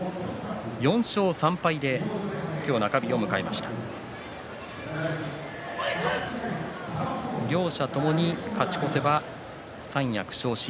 ４勝３敗で今日中日を迎えました。両者ともに勝ち越せば三役昇進。